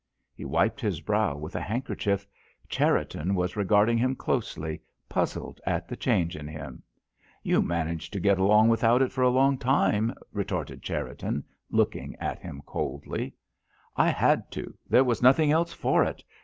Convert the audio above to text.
He wiped his brow with a handkerchief. Cherriton was regarding him closely, puzzled at the change in him. "You managed to get along without it for a long time," retorted Cherriton, looking at him coldly. "I had to—there was nothing else for it.